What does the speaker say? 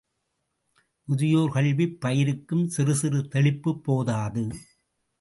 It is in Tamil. முதியோர் கல்விப் பயிருக்கும் சிறு சிறு தெளிப்புப் போதாது.